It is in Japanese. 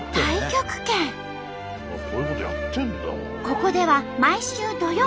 ここでは毎週土曜